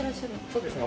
そうですね。